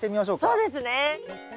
そうですね。